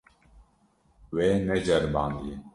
Wê neceribandiye.